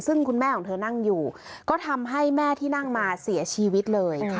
ซึ่งคุณแม่ของเธอนั่งอยู่ก็ทำให้แม่ที่นั่งมาเสียชีวิตเลย